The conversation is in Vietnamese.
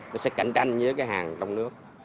nó sẽ cạnh tranh với cái hàng trong nước